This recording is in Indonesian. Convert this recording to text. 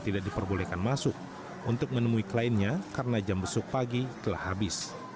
tidak diperbolehkan masuk untuk menemui kliennya karena jam besuk pagi telah habis